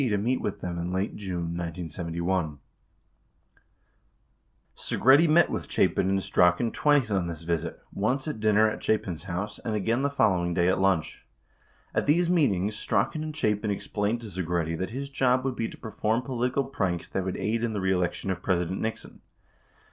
to meet with them in late June 1971. 5 Segretti met with Chapin and Strachan twice on this visit — once at dinner at Chapin's house, and again the following day at lunch. At these meetings, Strachan and Chapin explained to Segretti that his job would be to perform political pranks that would aid in the reelection of President Nixon.